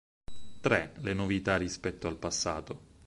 Tre le novità rispetto al passato.